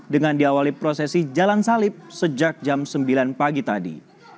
dengan diawali prosesi jalan salib sejak jam sembilan pagi tadi